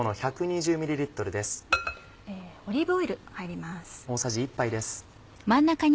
オリーブオイル入ります。